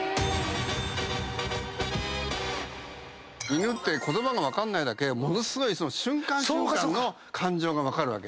犬って言葉が分かんないだけものすごいその瞬間瞬間の感情が分かる。